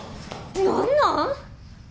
何なん！